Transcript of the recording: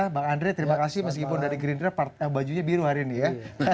bang andre terima kasih meskipun dari gerindra bajunya biru hari ini ya